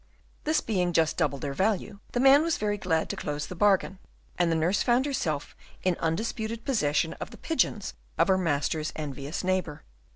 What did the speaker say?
This being just double their value, the man was very glad to close the bargain, and the nurse found herself in undisputed possession of the pigeons of her master's envious neighbour.